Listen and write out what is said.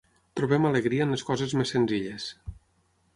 Trobem alegria en les coses més senzilles.